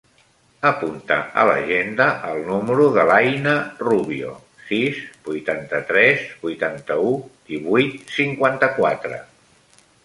Apunta a l'agenda el número de l'Aïna Rubio: sis, vuitanta-tres, vuitanta-u, divuit, cinquanta-quatre.